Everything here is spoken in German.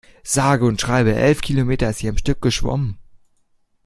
Sage und schreibe elf Kilometer ist sie am Stück geschwommen.